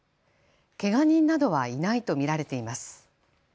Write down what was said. けが人などはいないと見られています。